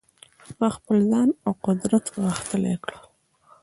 هغه خپل ځان او قدرت غښتلي کړل.